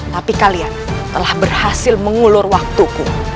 tapi kalian telah berhasil mengulur waktuku